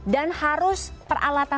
dan harus peralatan